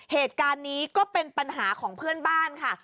เหตุการณ์นี้ก็เป็นปัญหาของเพื่อนบ้านค่ะ